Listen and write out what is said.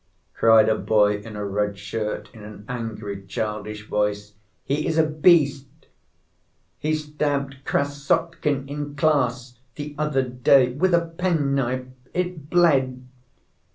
cried a boy in a red shirt in an angry childish voice. "He is a beast, he stabbed Krassotkin in class the other day with a penknife. It bled.